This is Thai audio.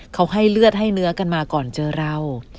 เขาให้เลือดให้เนื้อกันมาก่อนเจอเรา